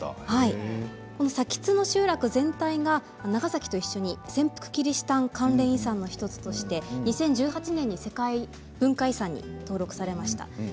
崎津の集落全体が長崎と一緒に潜伏キリシタン関連遺産の１つとして２０１８年に世界文化遺産に登録されました。